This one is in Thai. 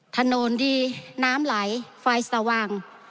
ถนนดีน้ำไหลไฟสว่าง